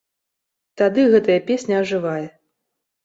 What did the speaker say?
Тады гэтая песня ажывае.